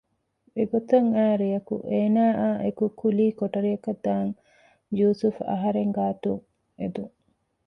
އެގޮތަށް އައި ރެޔަކު އޭނާއާއިއެކު ކުލީ ކޮޓަރިއަކަށް ދާން ޔޫސުފް އަހަރެން ގާތުން އެދުން